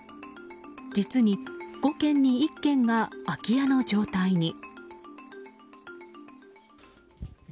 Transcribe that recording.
実に５軒に１軒が空き家の状態に。